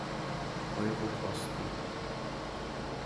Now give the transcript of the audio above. Euro kosten.